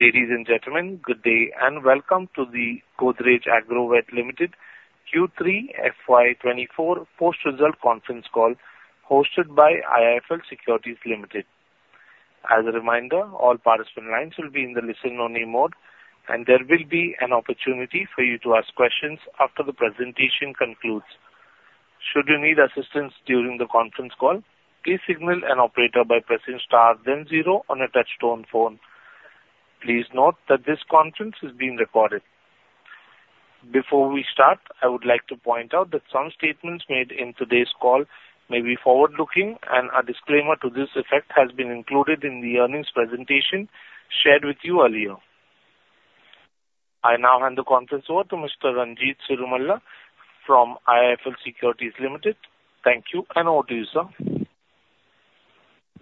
Ladies and gentlemen, good day, and welcome to the Godrej Agrovet Limited Q3 FY 2024 post-result conference call, hosted by IIFL Securities Limited. As a reminder, all participant lines will be in the listen-only mode, and there will be an opportunity for you to ask questions after the presentation concludes. Should you need assistance during the conference call, please signal an operator by pressing star, then zero on a touchtone phone. Please note that this conference is being recorded. Before we start, I would like to point out that some statements made in today's call may be forward-looking, and a disclaimer to this effect has been included in the earnings presentation shared with you earlier. I now hand the conference over to Mr. Ranjit Cirumalla from IIFL Securities Limited. Thank you, and over to you, sir. Thank you,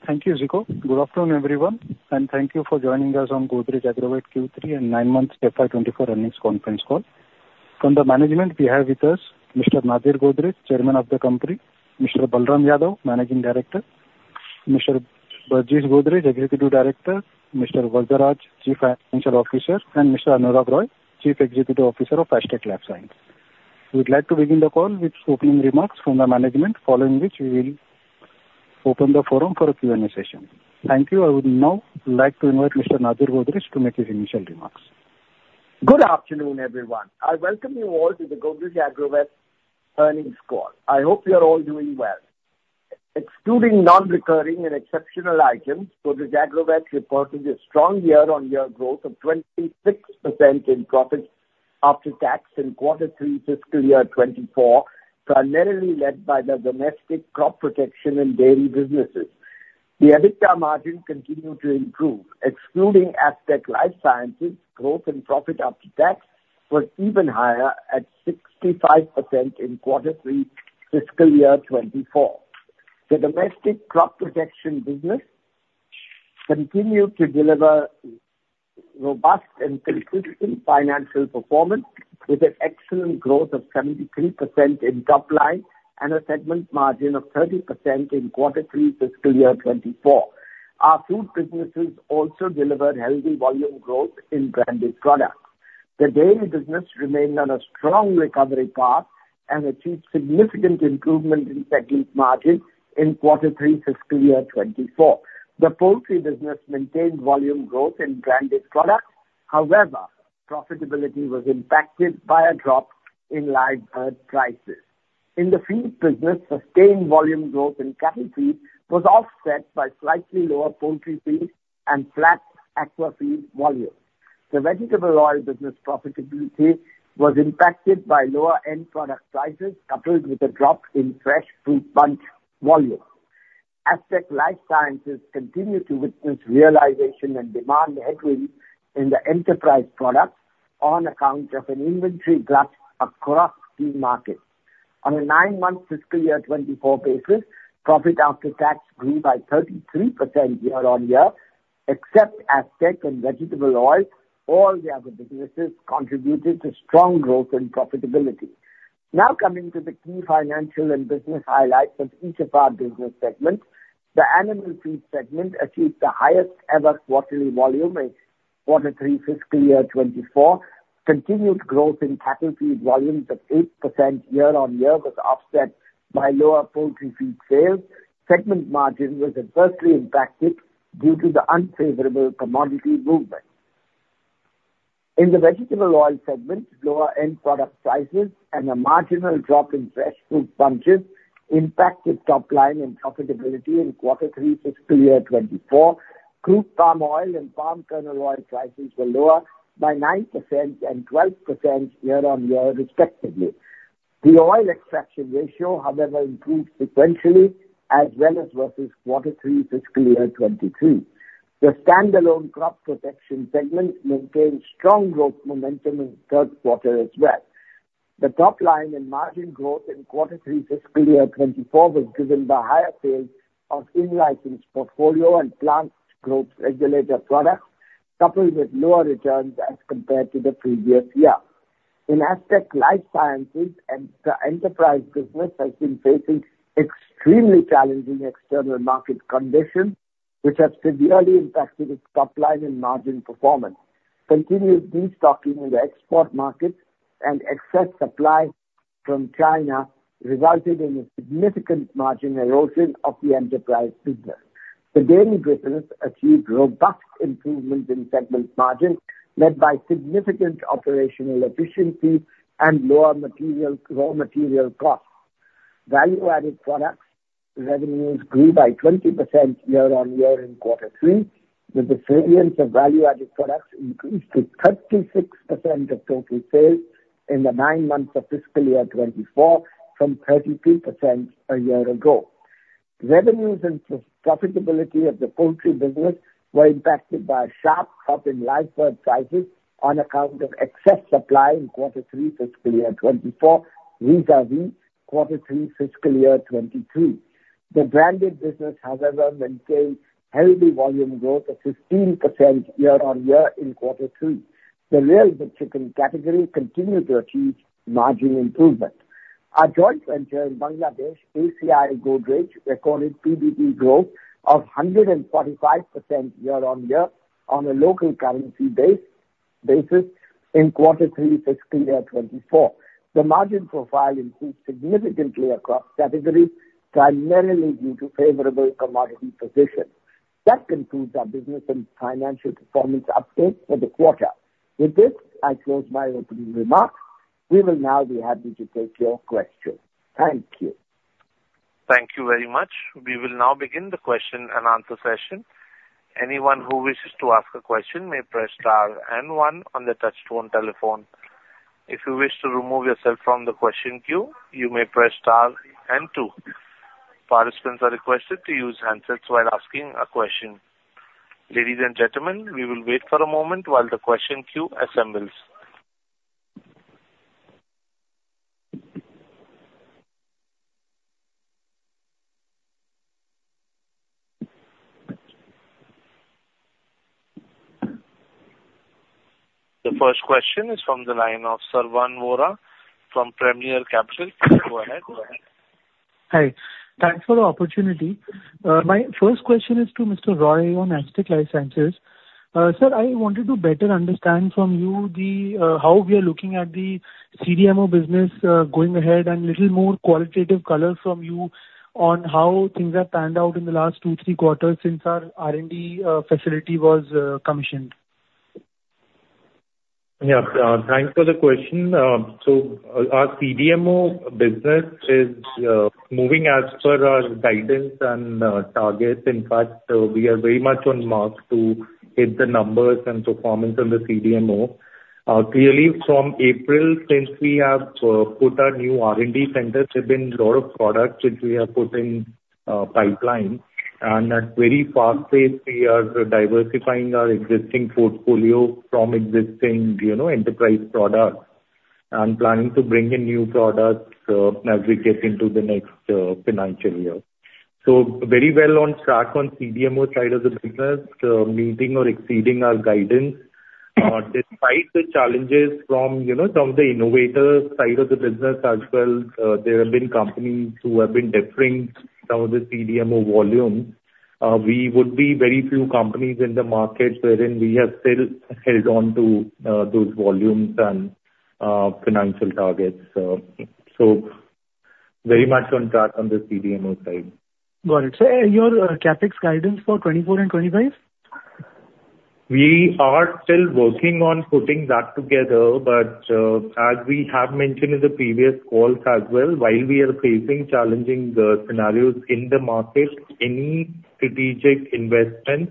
Ziko. Good afternoon, everyone, and thank you for joining us on Godrej Agrovet Q3 and nine-month FY 2024 earnings conference call. From the management we have with us Mr. Nadir Godrej, Chairman of the company; Mr. Balram Yadav, Managing Director; Mr. Burjis Godrej, Executive Director; Mr. S. Varadaraj, Chief Financial Officer; and Mr. Anurag Roy, Chief Executive Officer of Astec LifeSciences. We'd like to begin the call with opening remarks from the management, following which we will open the forum for a Q&A session. Thank you. I would now like to invite Mr. Nadir Godrej to make his initial remarks. Good afternoon, everyone. I welcome you all to the Godrej Agrovet earnings call. I hope you're all doing well. Excluding non-recurring and exceptional items, Godrej Agrovet reported a strong year-on-year growth of 26% in profits after tax in quarter 3 fiscal year 2024, primarily led by the domestic crop protection and dairy businesses. The EBITDA margin continued to improve. Excluding Astec LifeSciences, growth and profit after tax was even higher at 65% in quarter 3 fiscal year 2024. The domestic crop protection business continued to deliver robust and consistent financial performance, with an excellent growth of 73% in top line and a segment margin of 30% in quarter 3 fiscal year 2024. Our food businesses also delivered healthy volume growth in branded products. The dairy business remained on a strong recovery path and achieved significant improvement in segment margin in quarter 3 fiscal year 2024. The poultry business maintained volume growth in branded products, however, profitability was impacted by a drop in live bird prices. In the feed business, sustained volume growth in cattle feed was offset by slightly lower poultry feed and flat aqua feed volume. The vegetable oil business profitability was impacted by lower end product prices, coupled with a drop in fresh fruit bunch volume. Astec LifeSciences continued to witness realization and demand headroom in the enterprise products on account of an inventory glut across key markets. On a nine-month fiscal year 2024 basis, profit after tax grew by 33% year-on-year. Except Astec and vegetable oil, all the other businesses contributed to strong growth and profitability. Now coming to the key financial and business highlights of each of our business segments. The animal feed segment achieved the highest ever quarterly volume in quarter 3 fiscal year 2024. Continued growth in cattle feed volumes of 8% year-on-year was offset by lower poultry feed sales. Segment margin was adversely impacted due to the unfavorable commodity movement. In the vegetable oil segment, lower end product prices and a marginal drop in fresh fruit bunches impacted top line and profitability in quarter 3 fiscal year 2024. Crude palm oil and palm kernel oil prices were lower by 9% and 12% year-on-year, respectively. The oil extraction ratio, however, improved sequentially as well as versus quarter 3 fiscal year 2022. The standalone crop protection segment maintained strong growth momentum in the third quarter as well. The top line and margin growth in quarter 3 fiscal year 2024 was driven by higher sales of in-licensing portfolio and plant growth regulator products, coupled with lower returns as compared to the previous year. In Astec LifeSciences and the enterprise business has been facing extremely challenging external market conditions, which have severely impacted its top line and margin performance. Continued destocking in the export markets and excess supply from China resulted in a significant margin erosion of the enterprise business. The dairy business achieved robust improvement in segment margin, led by significant operational efficiencies and lower material, raw material costs. Value-added products revenues grew by 20% year-on-year in quarter three, with the variance of value-added products increased to 36% of total sales in the nine months of fiscal year 2024, from 33% a year ago. Revenues and profitability of the poultry business were impacted by a sharp drop in live bird prices on account of excess supply in quarter three fiscal year 2024, vis-à-vis quarter three fiscal year 2023. The branded business, however, maintained healthy volume growth of 15% year-on-year in quarter two. The grilled chicken category continued to achieve margin improvement. Our joint venture in Bangladesh, ACI Godrej, recorded PBT growth of 145% year-on-year on a local currency base, basis in quarter three, fiscal year 2024. The margin profile improved significantly across categories, primarily due to favorable commodity position. That concludes our business and financial performance update for the quarter. With this, I close my opening remarks. We will now be happy to take your questions. Thank you. Thank you very much. We will now begin the question and answer session. Anyone who wishes to ask a question may press star and one on the touchtone telephone. If you wish to remove yourself from the question queue, you may press star and two. Participants are requested to use handsets while asking a question. Ladies and gentlemen, we will wait for a moment while the question queue assembles. The first question is from the line of Savan Mora from Premier Capital. Go ahead, go ahead. Hi. Thanks for the opportunity. My first question is to Mr. Roy on Astec LifeSciences. Sir, I wanted to better understand from you the how we are looking at the CDMO business going ahead, and little more qualitative color from you on how things have panned out in the last two, three quarters since our R&D facility was commissioned. Yeah, thanks for the question. So our CDMO business is moving as per our guidance and targets. In fact, we are very much on mark to hit the numbers and performance on the CDMO. Clearly from April, since we have put our new R&D centers, there's been a lot of products which we have put in pipeline. And at very fast pace, we are diversifying our existing portfolio from existing, you know, enterprise products, and planning to bring in new products as we get into the next financial year. So very well on track on CDMO side of the business, meeting or exceeding our guidance. Despite the challenges from, you know, from the innovator side of the business as well, there have been companies who have been deferring some of the CDMO volumes. We would be very few companies in the market wherein we have still held on to those volumes and financial targets. So very much on track on the CDMO side. Got it. Sir, your CapEx guidance for 2024 and 2025? We are still working on putting that together, but, as we have mentioned in the previous calls as well, while we are facing challenging scenarios in the market, any strategic investment,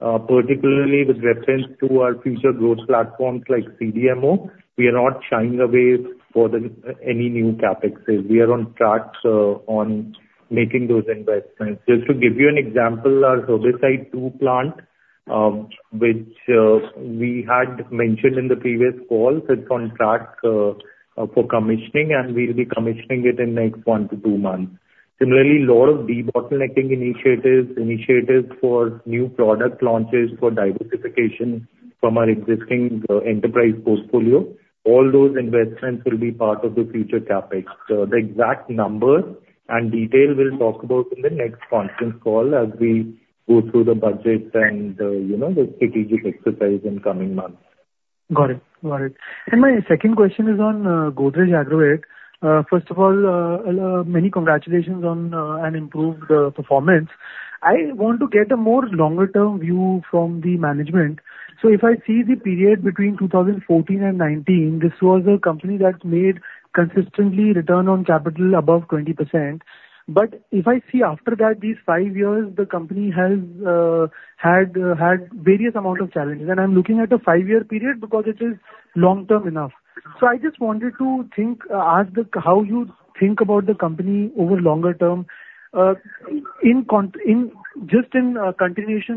particularly with reference to our future growth platforms like CDMO, we are not shying away for the any new CapExes. We are on track on making those investments. Just to give you an example, our herbicide new plant, which we had mentioned in the previous call, it's on track for commissioning, and we'll be commissioning it in the next 1-2 months. Similarly, lot of debottlenecking initiatives, initiatives for new product launches for diversification from our existing enterprise portfolio, all those investments will be part of the future CapEx. The exact numbers and detail we'll talk about in the next conference call as we go through the budget and, you know, the strategic exercise in coming months. Got it. Got it. And my second question is on Godrej Agrovet. First of all, many congratulations on an improved performance. I want to get a more longer term view from the management. So if I see the period between 2014 and 2019, this was a company that made consistently return on capital above 20%. But if I see after that, these five years, the company has had various amount of challenges, and I'm looking at a five-year period because it is long-term enough. So I just wanted to ask how you think about the company over longer term. In continuation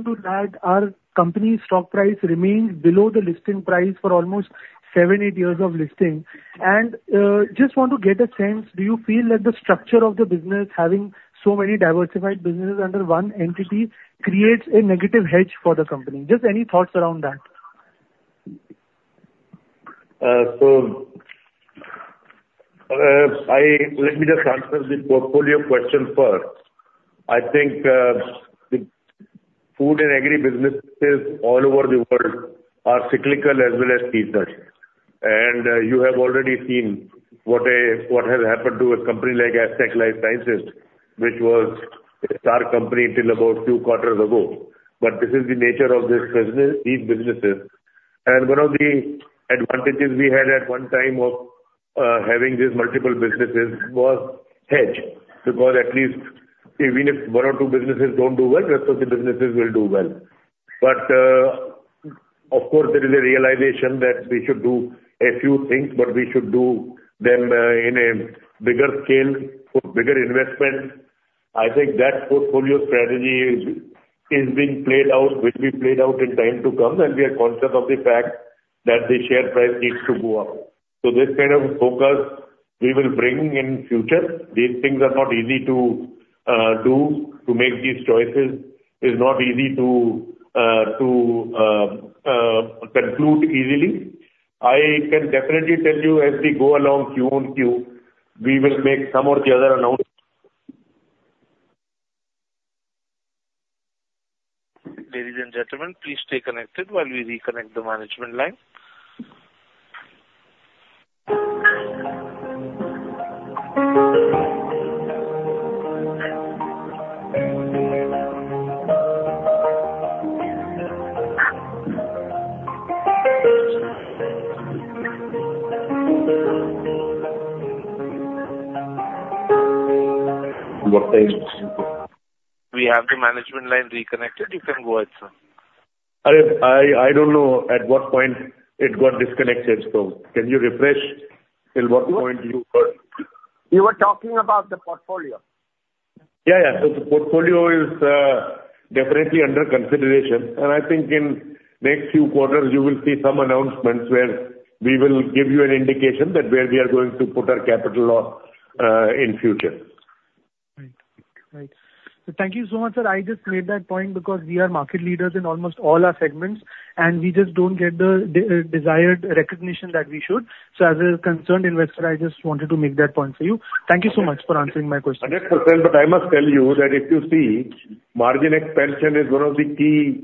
to that, our company's stock price remains below the listing price for almost seven, eight years of listing. Just want to get a sense, do you feel that the structure of the business, having so many diversified businesses under one entity, creates a negative hedge for the company? Just any thoughts around that? So, let me just answer the portfolio question first. I think, the food and agri businesses all over the world are cyclical as well as seasonal. And, you have already seen what, what has happened to a company like Astec LifeSciences, which was a star company till about two quarters ago. But this is the nature of this business, these businesses. And one of the advantages we had at one time of, having these multiple businesses was hedge, because at least even if one or two businesses don't do well, rest of the businesses will do well. But, of course, there is a realization that we should do a few things, but we should do them, in a bigger scale for bigger investments. I think that portfolio strategy is being played out, will be played out in time to come, and we are conscious of the fact that the share price needs to go up. So this kind of focus we will bring in future. These things are not easy to-... do to make these choices is not easy to, to, conclude easily. I can definitely tell you as we go along Q on Q, we will make some of the other announcements. Ladies and gentlemen, please stay connected while we reconnect the management line. We have the management line reconnected. You can go ahead, sir. I don't know at what point it got disconnected. So can you refresh till what point you were? You were talking about the portfolio. Yeah, yeah. So the portfolio is definitely under consideration, and I think in next few quarters, you will see some announcements where we will give you an indication that where we are going to put our capital on in future. Right. Right. So thank you so much, sir. I just made that point because we are market leaders in almost all our segments, and we just don't get the desired recognition that we should. So as a concerned investor, I just wanted to make that point for you. Thank you so much for answering my question. 100%, but I must tell you that if you see, margin expansion is one of the key,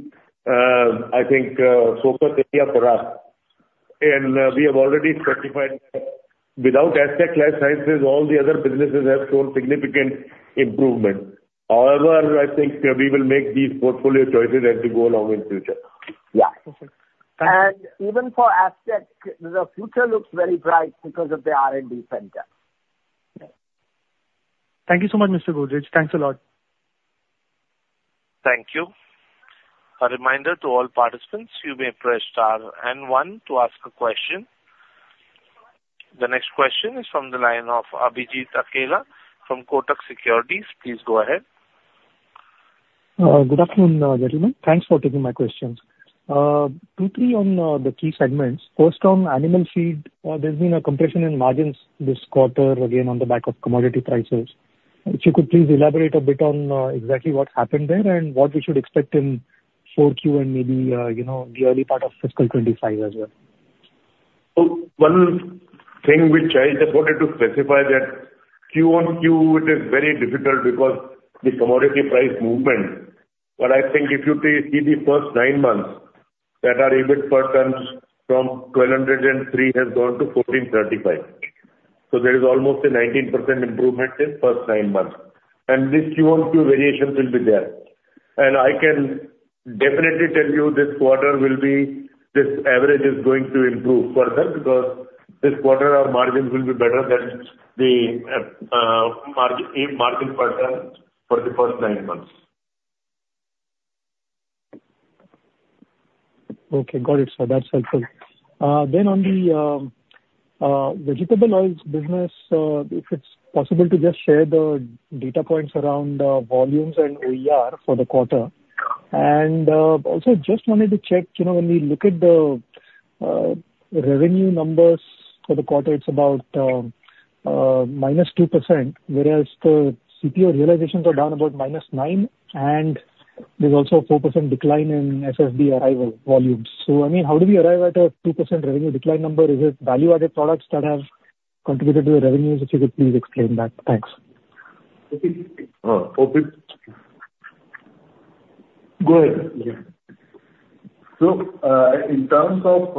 I think, focus area for us. And, we have already specified that without Astec LifeSciences, all the other businesses have shown significant improvement. However, I think we will make these portfolio choices as we go along in future. Yeah. Okay. Even for Astec, the future looks very bright because of the R&D center. Thank you so much, Mr. Godrej. Thanks a lot. Thank you. A reminder to all participants, you may press star and one to ask a question. The next question is from the line of Abhijit Akella from Kotak Securities. Please go ahead. Good afternoon, gentlemen. Thanks for taking my questions. Two, three on the key segments. First, on animal feed, there's been a compression in margins this quarter, again, on the back of commodity prices. If you could please elaborate a bit on exactly what happened there and what we should expect in 4Q and maybe, you know, the early part of fiscal 25 as well. So one thing which I just wanted to specify that Q on Q, it is very difficult because the commodity price movement. But I think if you please see the first nine months, that our EBIT per tons from 1,203 has gone to 1,435. So there is almost a 19% improvement in first nine months. And this Q on Q variations will be there. And I can definitely tell you this quarter will be, this average is going to improve further, because this quarter, our margins will be better than the, margin, EBIT margin per ton for the first nine months. Okay, got it, sir. That's helpful. Then on the vegetable oils business, if it's possible to just share the data points around volumes and OER for the quarter. And also just wanted to check, you know, when we look at the revenue numbers for the quarter, it's about -2%, whereas the CPO realizations are down about -9%, and there's also a 4% decline in FFB arrival volumes. So, I mean, how do we arrive at a 2% revenue decline number? Is it value-added products that have contributed to the revenues? If you could please explain that. Thanks. Uh, OPP. Go ahead. So, in terms of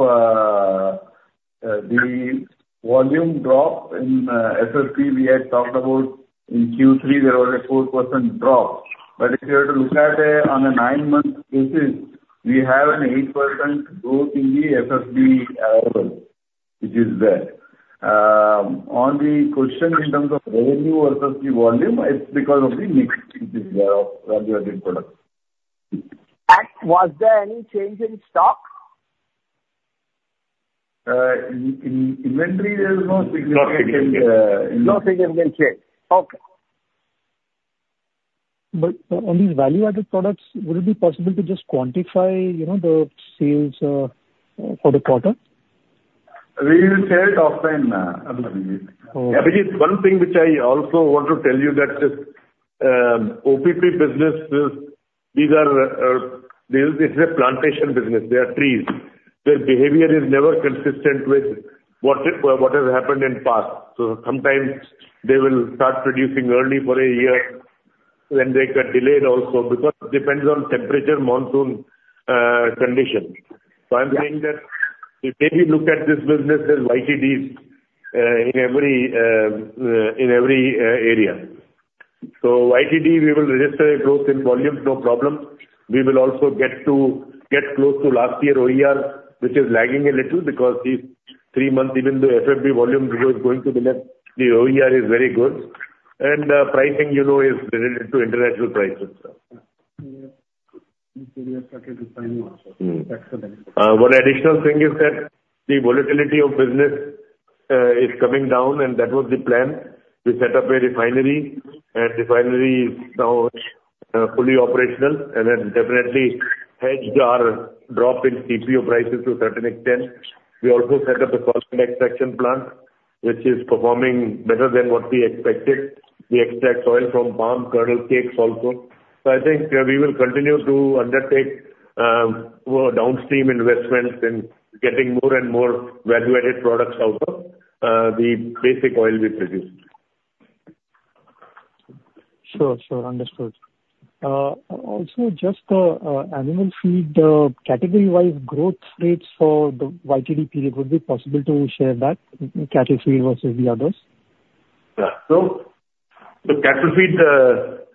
the volume drop in FFB, we had talked about in Q3, there was a 4% drop. But if you were to look at it on a nine-month basis, we have an 8% growth in the FFB arrival, which is there. On the question in terms of revenue versus the volume, it's because of the mix of value-added products. Was there any change in stock? In inventory, there is no significant No significant change. Okay. But on these value-added products, would it be possible to just quantify, you know, the sales for the quarter? We will share it offline, Abhijit. Okay. Abhijit, one thing which I also want to tell you that this OPP business is a plantation business. They are trees. Their behavior is never consistent with what has happened in past. So sometimes they will start producing early for a year, then they get delayed also, because it depends on temperature, monsoon, conditions. Yeah. So I'm saying that if maybe you look at this business as YTDs, in every area. So YTD, we will register a growth in volumes, no problem. We will also get close to last year's OER, which is lagging a little because the three months, even though FFB volumes was going to be less, the OER is very good. And pricing, you know, is related to international prices. Yeah. We have started to find more. Mm. Excellent. One additional thing is that the volatility of business is coming down, and that was the plan. We set up a refinery, and refinery now fully operational, and then definitely hedged our drop in CPO prices to a certain extent. We also set up a extraction plant, which is performing better than what we expected. We extract oil from palm kernel cakes also. So I think, we will continue to undertake more downstream investments in getting more and more value-added products out of the basic oil we produce. Sure, sure. Understood. Also, just animal feed category-wide growth rates for the YTD period, would it be possible to share that, cattle feed versus the others? Yeah. So, the cattle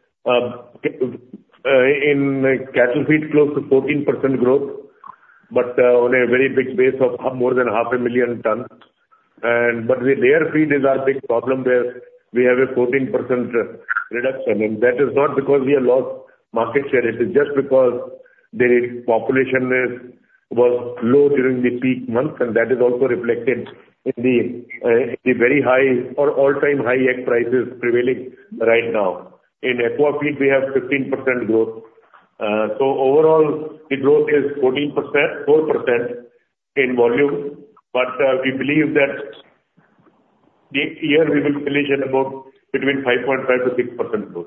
feed, close to 14% growth, but on a very big base of more than 500,000 tons. But the layer feed is our big problem, where we have a 14% reduction, and that is not because we have lost market share, it is just because the population was low during the peak months, and that is also reflected in the very high or all-time high egg prices prevailing right now. In aqua feed, we have 15% growth. So overall, the growth is 14%, 4% in volume, but we believe that this year we will finish at about between 5.5%-6% growth.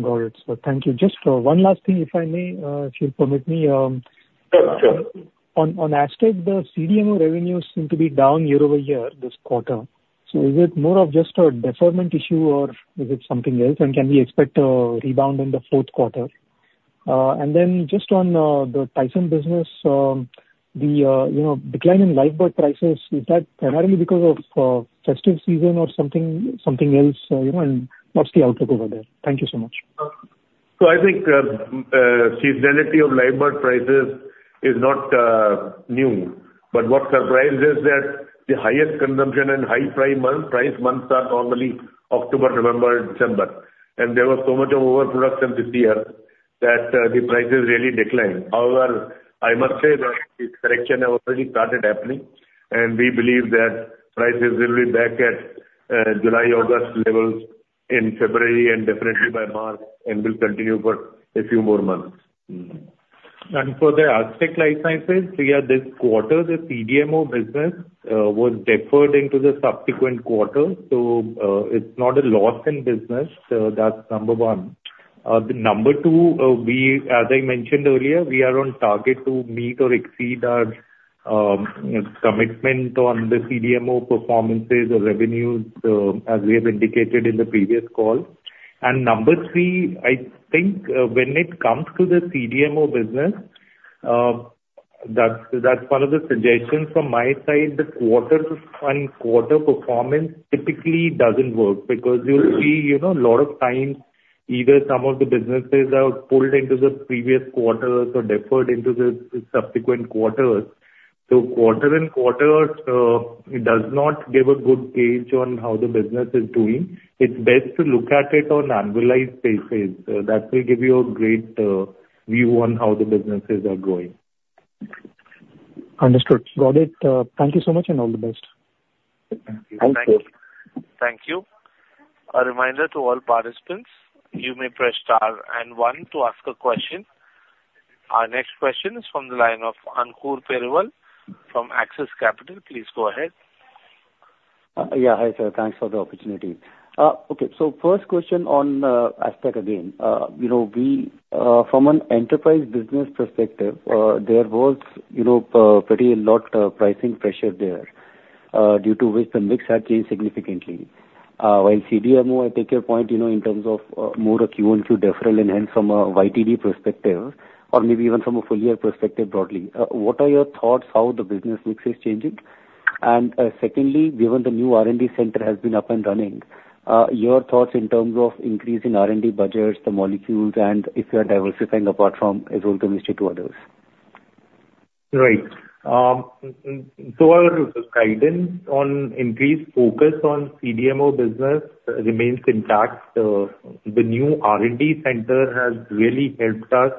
Got it. So thank you. Just one last thing, if I may, if you'll permit me. Sure, sure. On Astec, the CDMO revenues seem to be down year-over-year, this quarter. So is it more of just a deferment issue, or is it something else, and can we expect a rebound in the fourth quarter? And then just on the Tyson business, the you know, decline in live bird prices, is that primarily because of festive season or something else? And what's the outlook over there? Thank you so much. I think seasonality of live bird prices is not new, but what surprises that the highest consumption and high price month, price months are normally October, November, and December, and there was so much overproduction this year that the prices really declined. However, I must say that the correction has already started happening, and we believe that prices will be back at July, August levels in February, and definitely by March, and will continue for a few more months. And for the Astec LifeSciences, yeah, this quarter, the CDMO business was deferred into the subsequent quarter, so, it's not a loss in business, that's number one. The number two, we, as I mentioned earlier, we are on target to meet or exceed our commitment on the CDMO performances or revenues, as we have indicated in the previous call. And number three, I think, when it comes to the CDMO business, that's, that's one of the suggestions from my side. The quarters and quarter performance typically doesn't work because you'll see, you know, a lot of times, either some of the businesses are pulled into the previous quarters or deferred into the subsequent quarters. So quarter and quarters, it does not give a good gauge on how the business is doing. It's best to look at it on annualized basis. That will give you a great view on how the businesses are growing. Understood. Got it. Thank you so much, and all the best. Thank you. Thank you. Thank you. A reminder to all participants, you may press star and one to ask a question. Our next question is from the line of Ankur Periwal from Axis Capital. Please go ahead. Yeah, hi, sir. Thanks for the opportunity. Okay, so first question on Astec again. You know, we from an enterprise business perspective, there was, you know, pretty a lot pricing pressure there due to which the mix had changed significantly. While CDMO, I take your point, you know, in terms of more a Q on Q deferral and then from a YTD perspective or maybe even from a full year perspective broadly, what are your thoughts how the business mix is changing? And secondly, given the new R&D center has been up and running, your thoughts in terms of increasing R&D budgets, the molecules, and if you are diversifying apart from exotic to others. Right. So our guidance on increased focus on CDMO business remains intact. The new R&D center has really helped us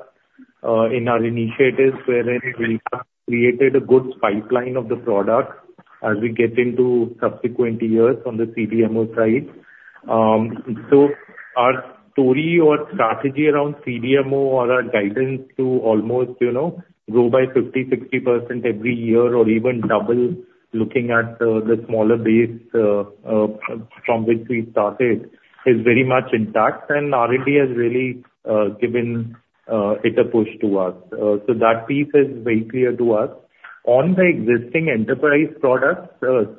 in our initiatives, where we have created a good pipeline of the product as we get into subsequent years on the CDMO side. So our story or strategy around CDMO or our guidance to almost, you know, grow by 50%-60% every year or even double, looking at the smaller base from which we started, is very much intact, and R&D has really given it a push to us. So that piece is very clear to us. On the existing enterprise products,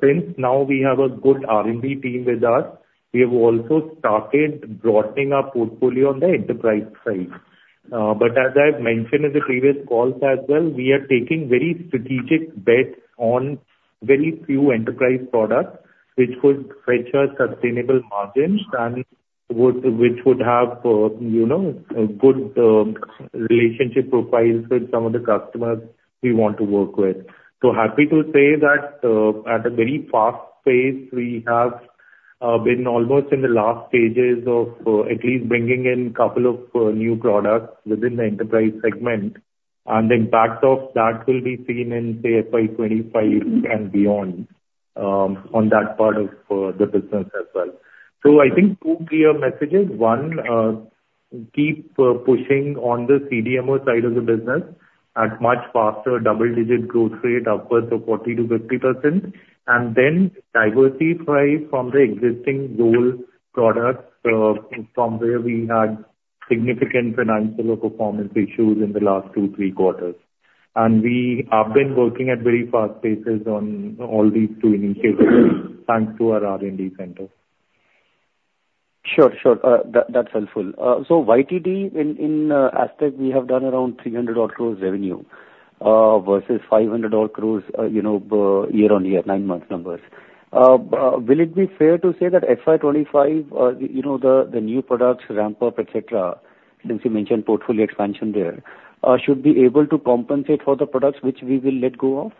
since now we have a good R&D team with us, we have also started broadening our portfolio on the enterprise side. But as I've mentioned in the previous calls as well, we are taking very strategic bets on very few enterprise products, which could fetch us sustainable margins and which would have, you know, a good relationship profiles with some of the customers we want to work with. So happy to say that, at a very fast pace, we have been almost in the last stages of at least bringing in couple of new products within the enterprise segment, and the impact of that will be seen in, say, FY 2025 and beyond, on that part of the business as well. So I think two clear messages: One, keep pushing on the CDMO side of the business at much faster double-digit growth rate upwards of 40%-50%, and then diversify from the existing old products, from where we had significant financial or performance issues in the last two, three quarters. And we have been working at very fast paces on all these two initiatives, thanks to our R&D center. Sure, sure. That, that's helpful. So YTD, in, in, Astec, we have done around 300 crore revenue, versus 500 crore, you know, year-on-year, nine-month numbers. But will it be fair to say that FY 2025, you know, the, the new products ramp up et cetera, since you mentioned portfolio expansion there, should be able to compensate for the products which we will let go of?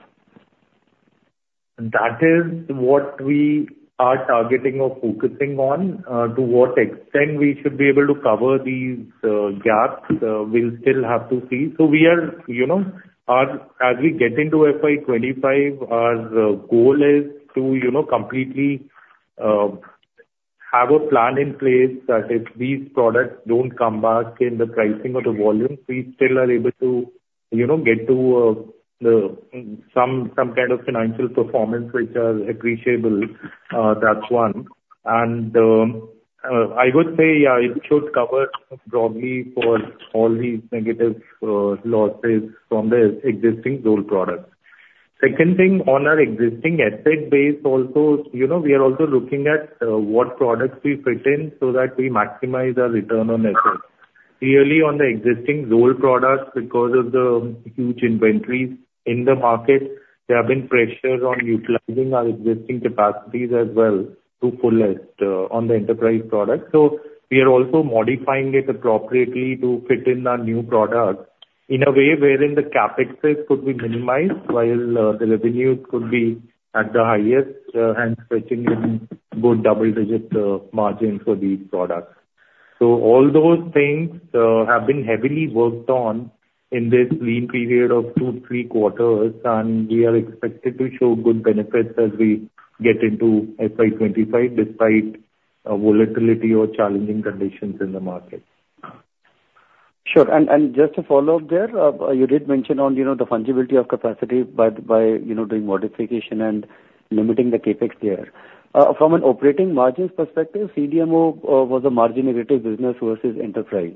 That is what we are targeting or focusing on. To what extent we should be able to cover these gaps, we'll still have to see. So we are, you know, as we get into FY 25, our goal is to, you know, completely have a plan in place, that if these products don't come back in the pricing or the volume, we still are able to, you know, get to some kind of financial performance which are appreciable. That's one. And I would say, yeah, it should cover broadly for all these negative losses from the existing old products. Second thing, on our existing asset base also, you know, we are also looking at what products we fit in so that we maximize our return on assets. Clearly, on the existing goal products, because of the huge inventories in the market, there have been pressures on utilizing our existing capacities as well to fullest, on the enterprise product. So we are also modifying it appropriately to fit in our new product in a way wherein the CapExes could be minimized while, the revenues could be at the highest, and fetching in good double-digit, margin for these products. So all those things, have been heavily worked on in this lean period of two, three quarters, and we are expected to show good benefits as we get into FY 2025, despite a volatility or challenging conditions in the market. Sure. And just to follow up there, you know, the fungibility of capacity by, you know, doing modification and limiting the CapEx there. From an operating margins perspective, CDMO was a margin-accretive business versus enterprise.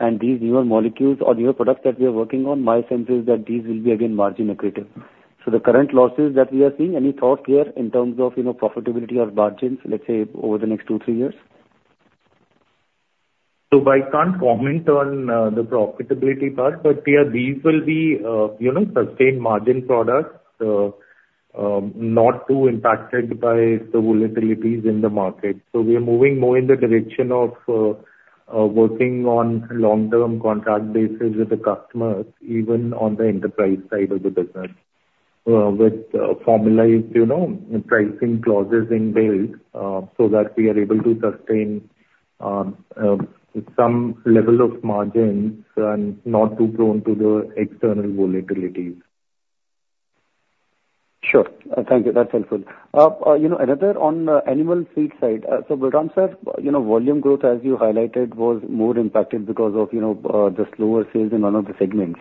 And these newer molecules or newer products that we are working on, my sense is that these will be again, margin accretive. So the current losses that we are seeing, any thought here in terms of, you know, profitability or margins, let's say, over the next two, three years? So I can't comment on the profitability part, but yeah, these will be, you know, sustained margin products. Not too impacted by the volatilities in the market. So we are moving more in the direction of working on long-term contract basis with the customers, even on the enterprise side of the business, with formalized, you know, pricing clauses in place, so that we are able to sustain some level of margins and not too prone to the external volatilities. Sure. Thank you. That's helpful. You know, another on, animal feed side. So Balram sir, you know, volume growth, as you highlighted, was more impacted because of, you know, the slower sales in one of the segments.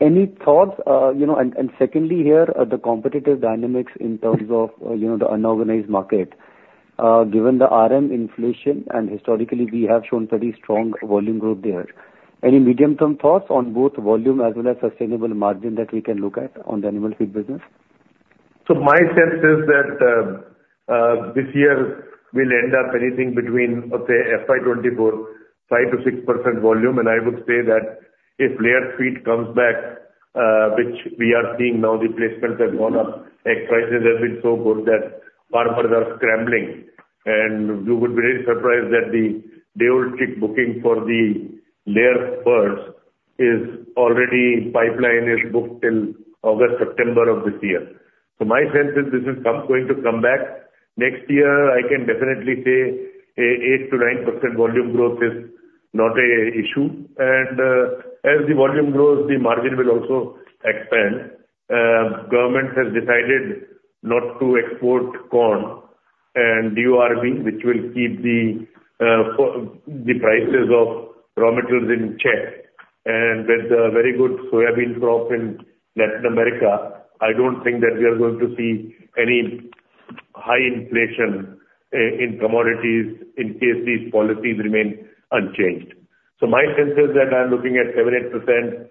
Any thoughts, you know, and, and secondly, here, the competitive dynamics in terms of, you know, the unorganized market, given the RM inflation, and historically, we have shown pretty strong volume growth there. Any medium-term thoughts on both volume as well as sustainable margin that we can look at on the animal feed business? So my sense is that, this year will end up anything between, okay, FY 2024, 5%-6% volume. And I would say that if layer feed comes back, which we are seeing now, the placements have gone up, egg prices have been so good that farmers are scrambling. And you would be very surprised that the Day-old chick booking for the layer birds is already pipelined, is booked till August, September of this year. So my sense is this is come, going to come back. Next year, I can definitely say an 8%-9% volume growth is not an issue. And, as the volume grows, the margin will also expand. Government has decided not to export corn and DRB, which will keep the, the prices of raw materials in check. With a very good soybean crop in Latin America, I don't think that we are going to see any high inflation in commodities in case these policies remain unchanged. My sense is that I'm looking at 7-8%,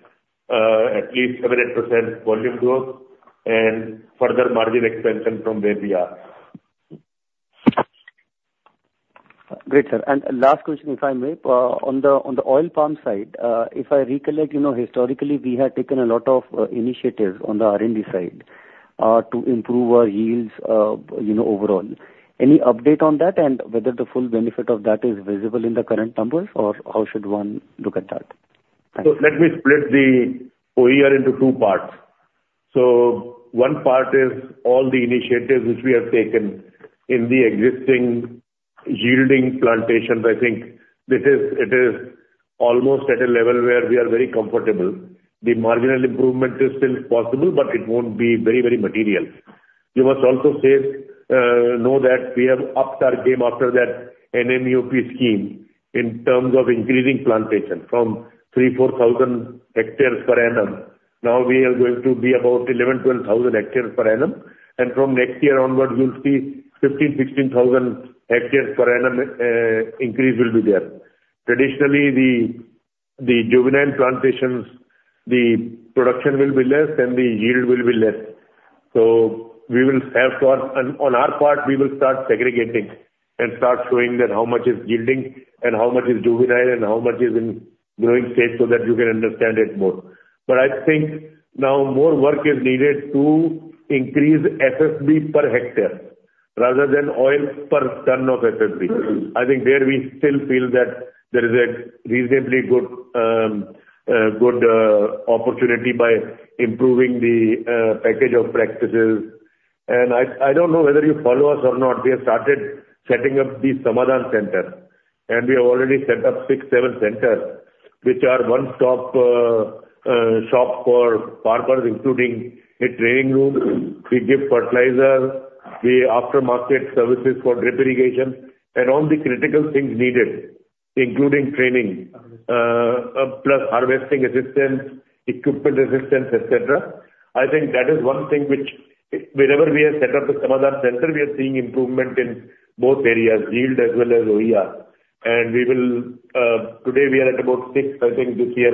at least 7-8% volume growth and further margin expansion from where we are. Great, sir. And last question, if I may. On the, on the oil palm side, if I recollect, you know, historically, we had taken a lot of initiatives on the R&D side, to improve our yields, you know, overall. Any update on that, and whether the full benefit of that is visible in the current numbers, or how should one look at that? Let me split the OER into two parts.... So one part is all the initiatives which we have taken in the existing yielding plantations. I think this is, it is almost at a level where we are very comfortable. The marginal improvement is still possible, but it won't be very, very material. You must also say, you know, that we have upped our game after that NMEO-OP scheme in terms of increasing plantation from 3,000-4,000 hectares per annum. Now, we are going to be about 11,000-12,000 hectares per annum, and from next year onwards, you'll see 15,000-16,000 hectares per annum, increase will be there. Traditionally, the juvenile plantations, the production will be less, and the yield will be less. So we will have got, on our part, we will start segregating and start showing that how much is yielding and how much is juvenile and how much is in growing state, so that you can understand it more. But I think now more work is needed to increase FFB per hectare rather than oil per ton of FFB. I think there we still feel that there is a reasonably good opportunity by improving the package of practices. And I don't know whether you follow us or not, we have started setting up the Samadhan Center, and we have already set up six, seven centers, which are one stop shop for farmers, including a training room. We give fertilizer, we aftermarket services for drip irrigation and all the critical things needed, including training, plus harvesting assistance, equipment assistance, et cetera. I think that is one thing which, wherever we have set up the Samadhan Centre, we are seeing improvement in both areas, yield as well as OER. And we will, today we are at about six, I think this year,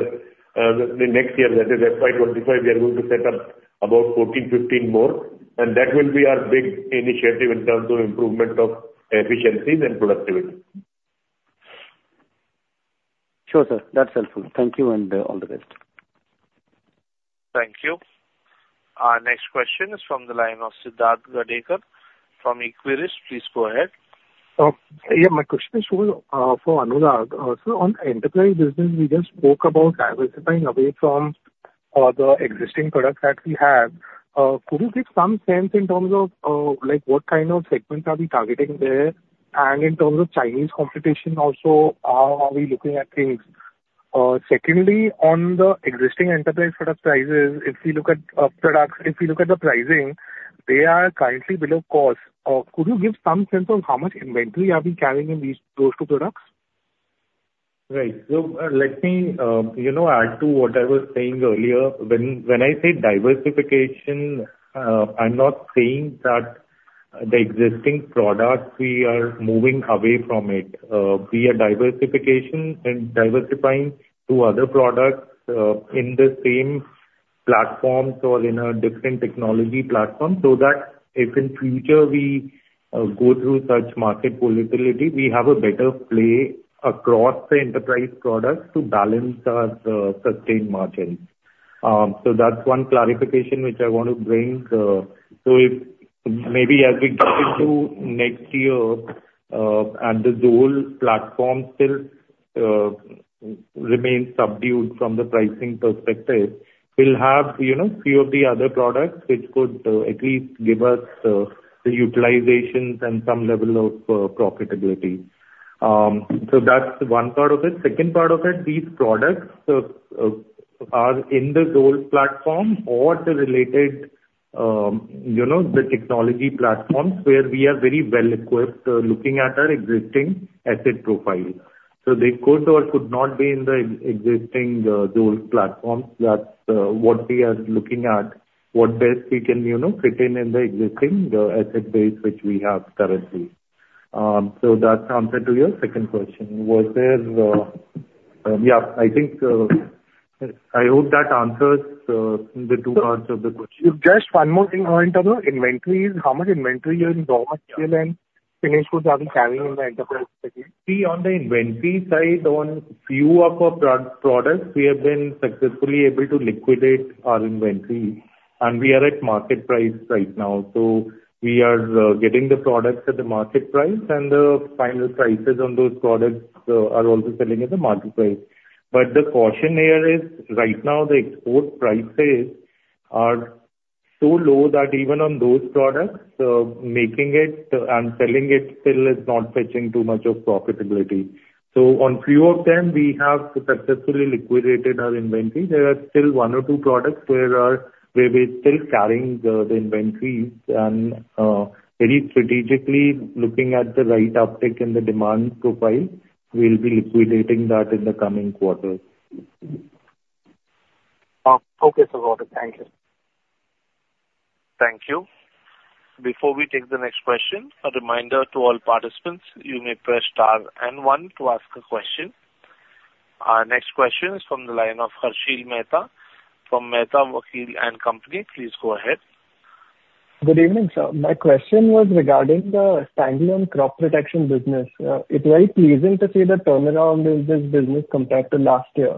the next year, that is FY 2025, we are going to set up about 14, 15 more, and that will be our big initiative in terms of improvement of efficiencies and productivity. Sure, sir. That's helpful. Thank you, and all the best. Thank you. Our next question is from the line of Siddharth Gadekar from Equirus. Please go ahead. Yeah, my question is for Anurag. So on enterprise business, we just spoke about diversifying away from the existing products that we have. Could you give some sense in terms of, like, what kind of segments are we targeting there? And in terms of Chinese competition also, how are we looking at things? Secondly, on the existing enterprise product prices, if you look at products, if you look at the pricing, they are currently below cost. Could you give some sense on how much inventory are we carrying in these those two products? Right. So, let me, you know, add to what I was saying earlier. When I say diversification, I'm not saying that the existing products, we are moving away from it. We are diversification and diversifying to other products, in the same platforms or in a different technology platform, so that if in future we go through such market volatility, we have a better play across the enterprise products to balance our sustained margins. So that's one clarification which I want to bring. So if maybe as we get into next year, and the whole platform still remains subdued from the pricing perspective, we'll have, you know, few of the other products which could at least give us the utilizations and some level of profitability. So that's one part of it. Second part of it, these products are in the old platform or the related, you know, the technology platforms, where we are very well equipped, looking at our existing asset profile. So they could or could not be in the existing old platform. That's what we are looking at, what best we can, you know, fit in in the existing asset base which we have currently. So that's answer to your second question. Was there... Yeah, I think I hope that answers the two parts of the question. Just one more thing, in terms of inventories. How much inventory you in raw material and finished goods are we carrying in the enterprise segment? See, on the inventory side, on few of our pro-products, we have been successfully able to liquidate our inventory, and we are at market price right now. So we are getting the products at the market price, and the final prices on those products are also selling at the market price. But the caution here is, right now, the export prices are so low that even on those products making it and selling it still is not fetching too much of profitability. So on few of them, we have successfully liquidated our inventory. There are still one or two products where we're still carrying the inventories and very strategically looking at the right uptick in the demand profile. We'll be liquidating that in the coming quarters. Okay, sir. Got it. Thank you. Thank you. Before we take the next question, a reminder to all participants, you may press star and one to ask a question. Our next question is from the line of Harsheel Mehta from Mehta Vakil & Co. Please go ahead. Good evening, sir. My question was regarding the standalone crop protection business. It's very pleasing to see the turnaround in this business compared to last year.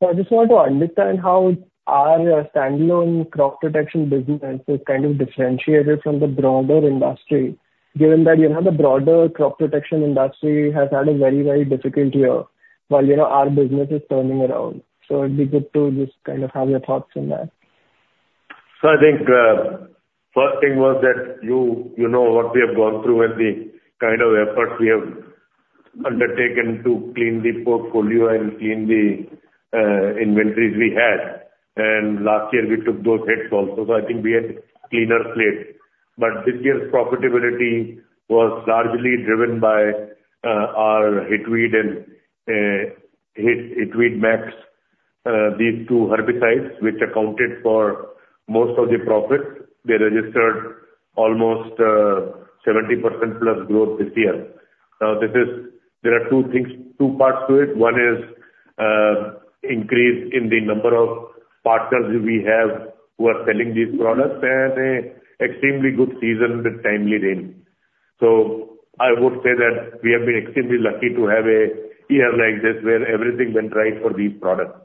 So I just want to understand how our standalone crop protection business is kind of differentiated from the broader industry, given that, you know, the broader crop protection industry has had a very, very difficult year.... while, you know, our business is turning around. So it'd be good to just kind of have your thoughts on that. So I think first thing was that you know what we have gone through and the kind of efforts we have undertaken to clean the portfolio and clean the inventories we had. And last year we took those hits also, so I think we had a cleaner slate. But this year's profitability was largely driven by our Hitweed and Hitweed Max, these two herbicides, which accounted for most of the profits. They registered almost 70%+ growth this year. Now, this is, there are two things, two parts to it. One is increase in the number of partners we have who are selling these products, and an extremely good season with timely rain. So I would say that we have been extremely lucky to have a year like this, where everything went right for these products.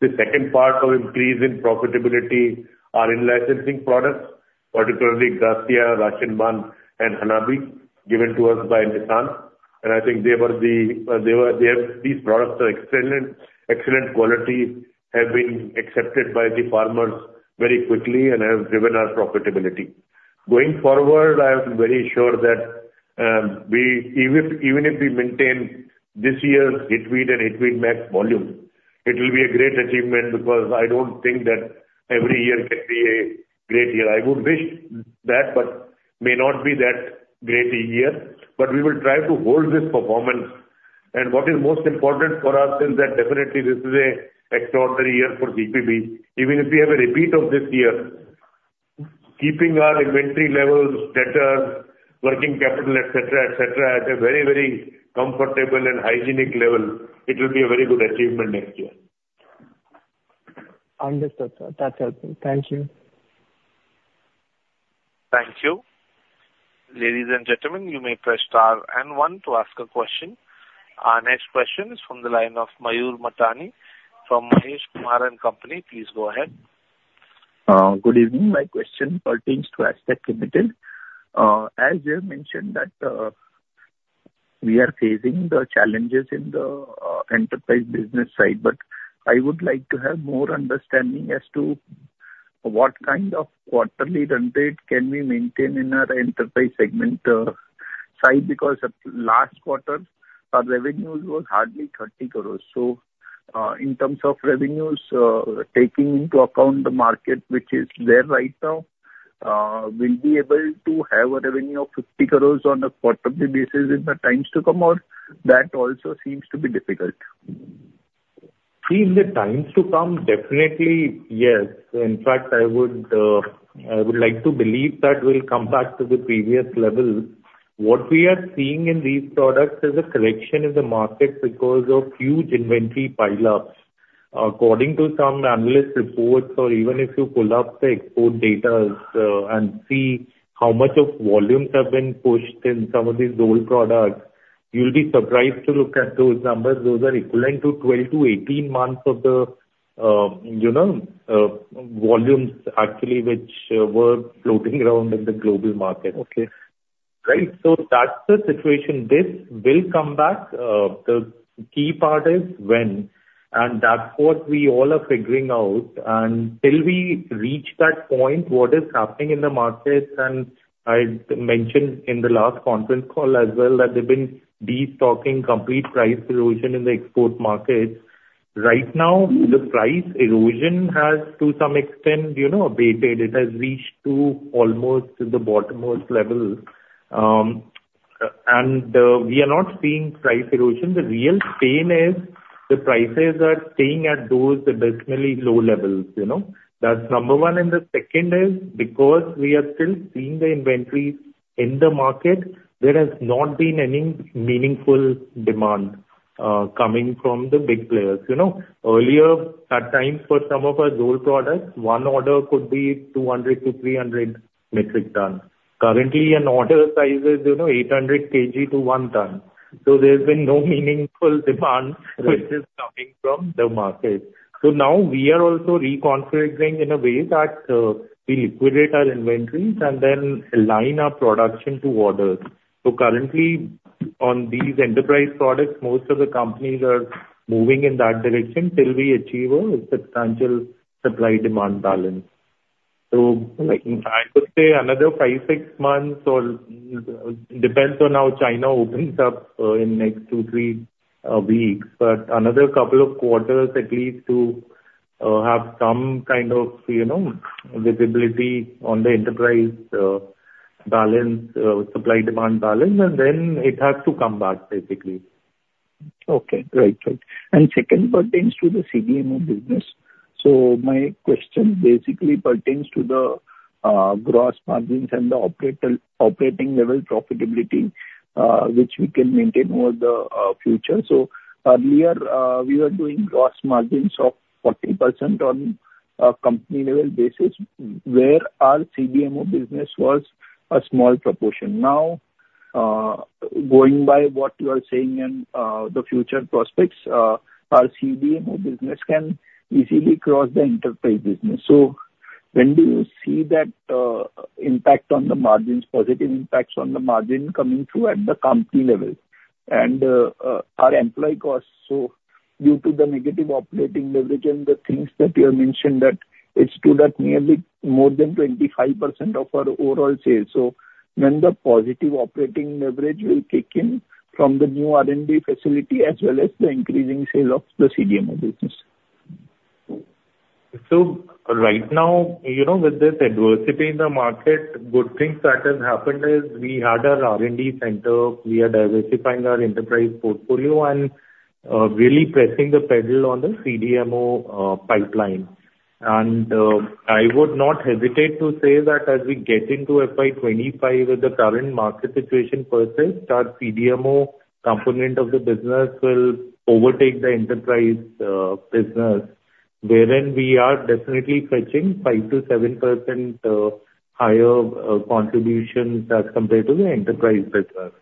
The second part of increase in profitability are in licensing products, particularly Gracia, Rashinban, and Hanabi, given to us by Nissan. I think they were, they have, these products are excellent, excellent quality, have been accepted by the farmers very quickly and have driven our profitability. Going forward, I am very sure that, we, even, even if we maintain this year's Hitweed and Hitweed Max volume, it will be a great achievement because I don't think that every year can be a great year. I would wish that, but may not be that great a year. But we will try to hold this performance. What is most important for us is that definitely this is an extraordinary year for GPB. Even if we have a repeat of this year, keeping our inventory levels better, working capital, et cetera, et cetera, at a very, very comfortable and hygienic level, it will be a very good achievement next year. Understood, sir. That's helpful. Thank you. Thank you. Ladies and gentlemen, you may press star and one to ask a question. Our next question is from the line of Mayur Matani from Mahesh Kumar and Company. Please go ahead. Good evening. My question pertains to Astec LifeSciences Limited. As you have mentioned, that, we are facing the challenges in the, enterprise business side, but I would like to have more understanding as to what kind of quarterly run rate can we maintain in our enterprise segment, side, because last quarter, our revenues was hardly 30 crore. So, in terms of revenues, taking into account the market which is there right now, we'll be able to have a revenue of 50 crore on a quarterly basis in the times to come, or that also seems to be difficult? See, in the times to come, definitely, yes. In fact, I would, I would like to believe that we'll come back to the previous level. What we are seeing in these products is a correction in the market because of huge inventory pileups. According to some analyst reports, or even if you pull up the export data, and see how much of volumes have been pushed in some of these old products, you'll be surprised to look at those numbers. Those are equivalent to 12-18 months of the, you know, volumes actually, which, were floating around in the global market. Okay. Right, so that's the situation. This will come back. The key part is when, and that's what we all are figuring out. And till we reach that point, what is happening in the markets, and I mentioned in the last conference call as well, that they've been destocking complete price erosion in the export markets. Right now, the price erosion has, to some extent, you know, abated. It has reached to almost the bottommost levels. And we are not seeing price erosion. The real pain is the prices are staying at those abysmally low levels, you know? That's number one. And the second is, because we are still seeing the inventories in the market, there has not been any meaningful demand coming from the big players. You know, earlier, at times, for some of our old products, one order could be 200-300 metric tons. Currently, an order size is, you know, 800 kg-1 ton, so there's been no meaningful demand which is coming from the market. So now we are also reconfiguring in a way that we liquidate our inventories and then align our production to orders. So currently, on these enterprise products, most of the companies are moving in that direction till we achieve a substantial supply-demand balance. So I would say another 5-6 months, or depends on how China opens up in next 2-3 weeks, but another couple of quarters at least to have some kind of, you know, visibility on the enterprise balance, supply-demand balance, and then it has to come back, basically. Okay. Right, right. And second pertains to the CDMO business. So my question basically pertains to the gross margins and the operating level profitability which we can maintain over the future. So earlier we were doing gross margins of 40% on a company-level basis, where our CDMO business was a small proportion. Now, going by what you are saying and the future prospects, our CDMO business can easily cross the enterprise business. So when do you see that impact on the margins, positive impacts on the margin coming through at the company level? And our employee costs, so due to the negative operating leverage and the things that you have mentioned, that it's true that maybe more than 25% of our overall sales. When the positive operating leverage will kick in from the new R&D facility, as well as the increasing sale of the CDMO business? So right now, you know, with this adversity in the market, good things that has happened is we had our R&D center, we are diversifying our enterprise portfolio and, really pressing the pedal on the CDMO, pipeline. And, I would not hesitate to say that as we get into FY 2025, if the current market situation persists, our CDMO component of the business will overtake the enterprise, business, wherein we are definitely fetching 5%-7%, higher, contributions as compared to the enterprise business.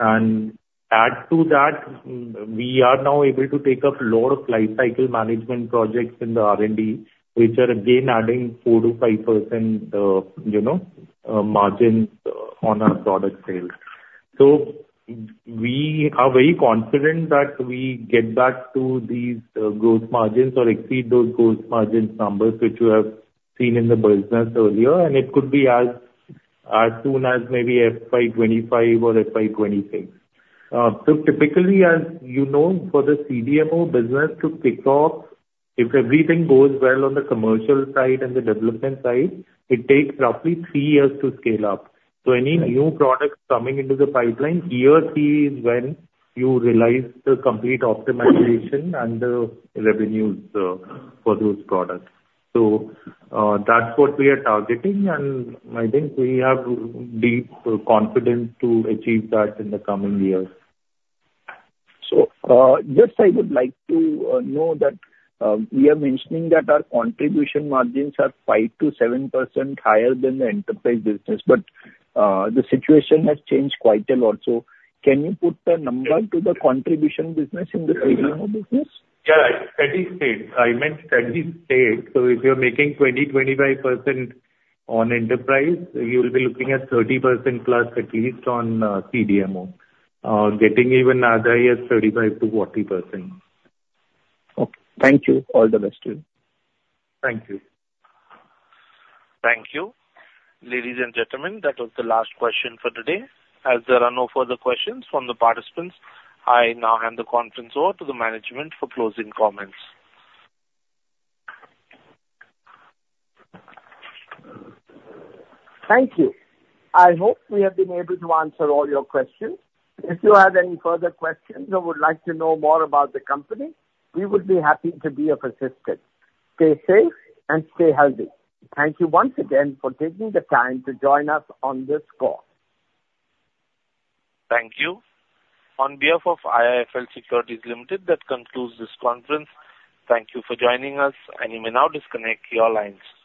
And add to that, we are now able to take up lot of life cycle management projects in the R&D, which are again adding 4%-5%, you know, margins on our product sales. So we are very confident that we get back to these, growth margins or exceed those growth margins numbers, which you have seen in the business earlier, and it could be as, as soon as maybe FY 2025 or FY 2026. So typically, as you know, for the CDMO business to kick off, if everything goes well on the commercial side and the development side, it takes roughly three years to scale up. So any new products coming into the pipeline, year three is when you realize the complete optimization and the revenues, for those products. So, that's what we are targeting, and I think we have deep confidence to achieve that in the coming years. So, just I would like to know that we are mentioning that our contribution margins are 5%-7% higher than the enterprise business, but the situation has changed quite a lot. So can you put the number to the contribution business in the CDMO business? Yeah, steady state. I meant steady state. So if you're making 20-25% on enterprise, you'll be looking at 30%+, at least on CDMO, getting even as high as 35%-40%. Okay. Thank you. All the best to you. Thank you. Thank you. Ladies and gentlemen, that was the last question for today. As there are no further questions from the participants, I now hand the conference over to the management for closing comments. Thank you. I hope we have been able to answer all your questions. If you have any further questions or would like to know more about the company, we would be happy to be of assistance. Stay safe and stay healthy. Thank you once again for taking the time to join us on this call. Thank you. On behalf of IIFL Securities Limited, that concludes this conference. Thank you for joining us, and you may now disconnect your lines.